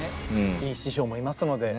いい師匠もいますので。